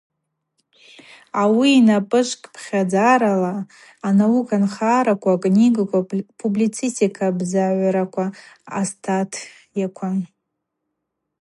Ауи йнапӏы швкӏпхьадзарала йгӏацӏцӏтӏ анаука нхараква, акнигаква, апублицистика бзагӏвраква, астатйаква.